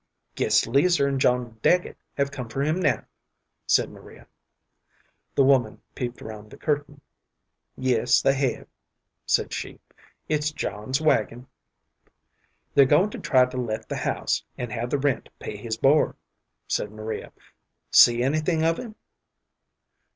"Guess 'Leazer and John Dagget have come for him now," said Maria. The woman peeped round the curtain. "Yes, they hev," said she; "it's John's wagon." "They're goin' to try to let the house, and have the rent pay his board," said Maria. "See anything of him?"